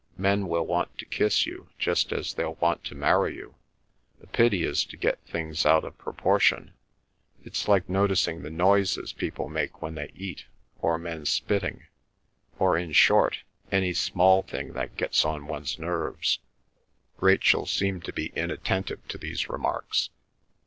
Men will want to kiss you, just as they'll want to marry you. The pity is to get things out of proportion. It's like noticing the noises people make when they eat, or men spitting; or, in short, any small thing that gets on one's nerves." Rachel seemed to be inattentive to these remarks.